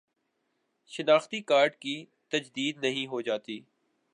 شناختی کارڈ کی تجدید نہیں ہوجاتی